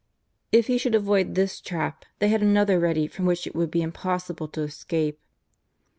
If He should avoid this trap, they had another ready from which it would be impossible to escape.